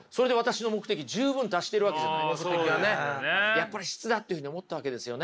やっぱり「質」だっていうふうに思ったわけですよね。